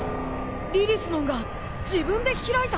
リリスモンが自分で開いた！？